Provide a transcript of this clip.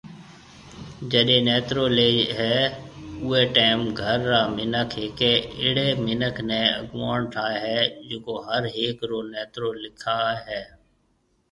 جڏي نيترو لي هي اوئي ٽيم گھر را منک هيڪي اهڙي منک ني اگووڻ ٺاهي هي جڪو هر هيڪ رو نيترو لکاوي هي